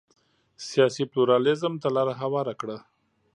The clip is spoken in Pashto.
سیاسي پلورالېزم ته لار هواره کړه.